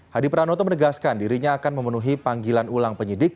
hadi pranoto menegaskan dirinya akan memenuhi panggilan ulang penyidik